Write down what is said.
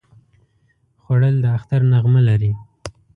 خوړل د اختر نغمه لري